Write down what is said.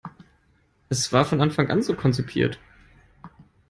Es war von Anfang an so konzipiert.